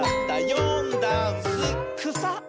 「よんだんす」「くさ」！